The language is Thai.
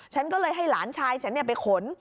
ฉันก็เลยให้หลานชายฉันไปขน